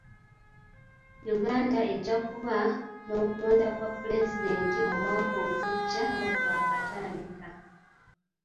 Uganda ejja kuba n'okulonda kwa pulezidenti omwaka ogujja nga gwakatandika.